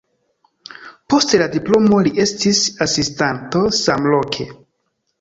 Post la diplomo li estis asistanto samloke.